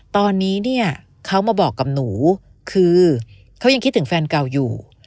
ตอนนี้เนี่ยเขามาบอกกับหนูคือเขายังคิดถึงแฟนเก่าอยู่